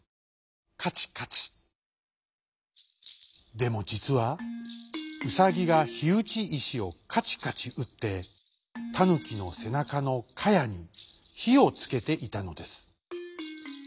でもじつはウサギがひうちいしをカチカチうってタヌキのせなかのかやにひをつけていたのです。